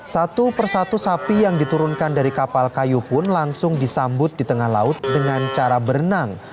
satu persatu sapi yang diturunkan dari kapal kayu pun langsung disambut di tengah laut dengan cara berenang